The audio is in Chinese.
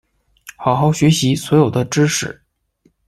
好好学习所有的知识